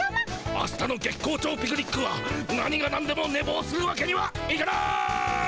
あしたの月光町ピクニックは何がなんでもねぼうするわけにはいかない！